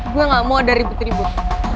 gue gak mau ada ribut ribut